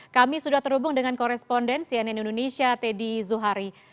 kami sudah terhubung dengan koresponden cnn indonesia teddy zuhari